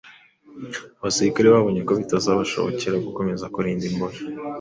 Abasirikare babonye ko bitazabashobokera gukomeza kurinda imbohe